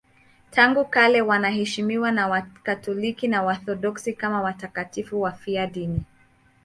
Tangu kale wanaheshimiwa na Wakatoliki na Waorthodoksi kama watakatifu wafiadini.